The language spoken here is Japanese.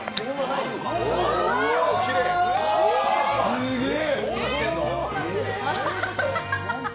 すげえ！